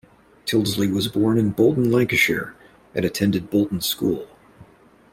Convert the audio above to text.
Tyldesley was born in Bolton, Lancashire and attended Bolton School.